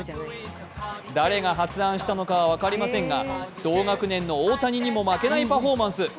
誰が発案したのかは分かりませんが同学年の大谷にも負けないパフォーマンス。